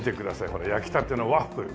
ほら焼きたてのワッフル。